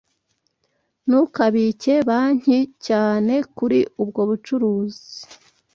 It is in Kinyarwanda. Ntukabike banki cyane kuri ubwo bucuruzi.